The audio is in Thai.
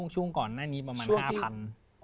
ช่วงก่อนประมาณ๕๐๐๐